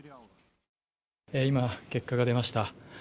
今、結果が出ました。